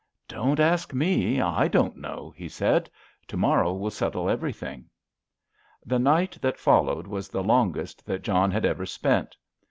"Don't ask me; I don't know," he said, "to morrow will settle everything." The night that followed was the longest that John had ever spent.